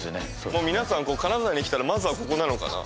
もう皆さん金沢に来たらまずはここなのかな